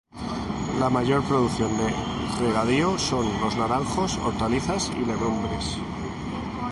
La mayor producción de regadío son los naranjos, hortalizas y legumbres.